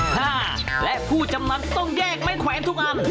ห้าและผู้จำนำต้องแยกไม้แขวนทุกอัน